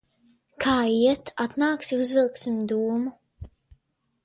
Kā iet? Atnāksi, uzvilksim dūmu?